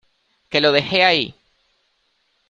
Que lo dejé ahí.